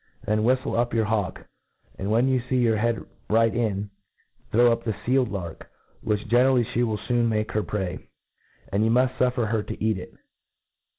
Then whiftle up your hawk j and when you fee her head right in, throw up the fielcd lark, which generally Ihe will foon make her prey; and you muft fuflfer her to eat it.